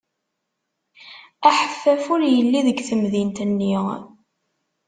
Aḥeffaf ur yelli deg temdint-nni.